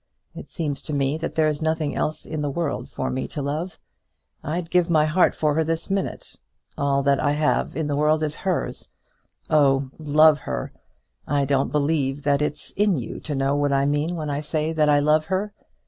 It seems to me that there's nothing else in the world for me to love. I'd give my heart for her this minute. All that I have in the world is hers. Oh, love her! I don't believe that it's in you to know what I mean when I say that I love her!